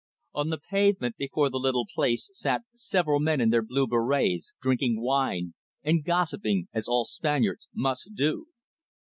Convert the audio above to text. On the pavement before the little place sat several men in their blue berets, drinking wine and gossiping as all Spaniards must do.